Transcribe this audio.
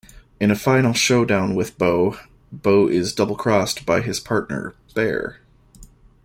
In a final showdown with Bo, Bo is double-crossed by his partner, Bear.